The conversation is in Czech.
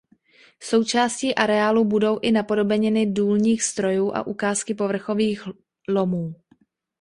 Součástí areálu budou i napodobeniny důlních strojů a ukázky povrchových lomů.